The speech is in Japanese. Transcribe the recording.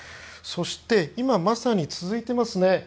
そして、今まさに続いていますね。